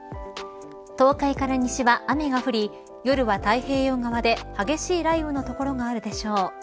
東海から西は雨が降り夜は太平洋側で激しい雷雨の所があるでしょう。